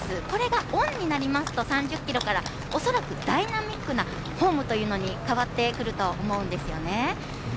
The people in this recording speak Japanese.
これがオンになりますと３０キロから恐らくダイナミックなフォームというのに変わってくると思うんですよね。